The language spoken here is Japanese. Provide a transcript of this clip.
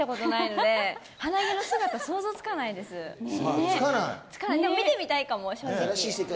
でも、見てみたいかも。